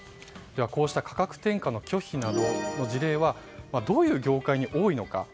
こうした価格転嫁の拒否などの事例はどういう業界に多いのか。